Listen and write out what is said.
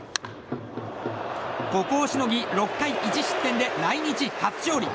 ここをしのぎ、６回１失点で来日初勝利。